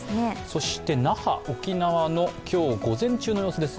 そして那覇、沖縄の今日の午前中の様子です。